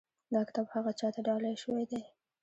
دا کتاب هغه چا ته ډالۍ شوی دی.